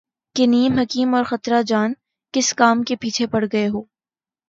کہ نیم حکیم اور خطرہ جان ، کس کام کے پیچھے پڑ گئے ہو